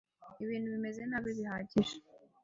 Ibintu bimeze nabi bihagije.